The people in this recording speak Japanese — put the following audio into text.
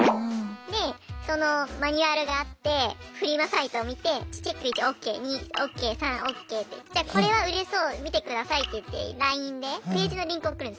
でそのマニュアルがあってフリマサイトを見てチェック１ＯＫ２ＯＫ３ＯＫって。じゃこれは売れそう見てくださいっていってＬＩＮＥでページのリンク送るんですよ。